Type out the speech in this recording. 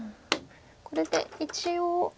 これで一応。